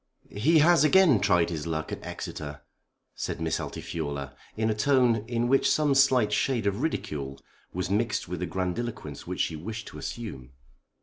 "He has again tried his luck at Exeter," said Miss Altifiorla, in a tone in which some slight shade of ridicule was mixed with the grandiloquence which she wished to assume.